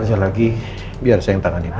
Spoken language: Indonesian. udah kalian kerja lagi biar saya yang tanganin ya